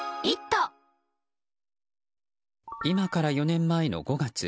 今から４年前の５月。